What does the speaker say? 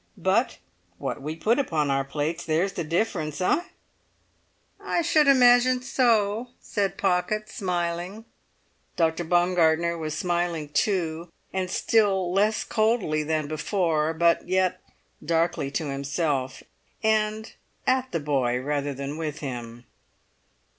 But what we put upon our plates, there's the difference, eh?" "I should imagine so," said Pocket, smiling. Dr. Baumgartner was smiling too, and still less coldly than before, but yet darkly to himself, and at the boy rather than with him.